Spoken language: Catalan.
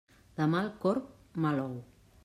De mal corb, mal ou.